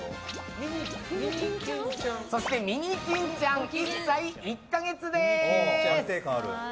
そしてミニきんちゃん１歳１か月です。